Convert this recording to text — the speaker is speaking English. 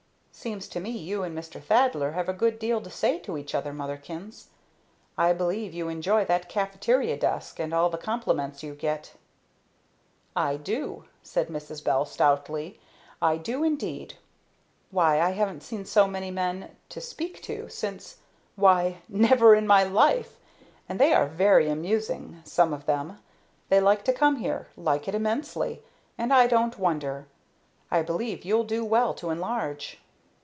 "Seems to me you and Mr. Thaddler have a good deal to say to each other, motherkins. I believe you enjoy that caffeteria desk, and all the compliments you get." "I do," said Mrs. Bell stoutly. "I do indeed! Why, I haven't seen so many men, to speak to, since why, never in my life! And they are very amusing some of them. They like to come here like it immensely. And I don't wonder. I believe you'll do well to enlarge."